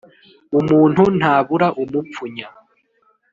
Umupfu ntabura umupfunya.